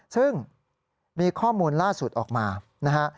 ซึ่งมีข้อมูลล่าสุดออกมานะฮะ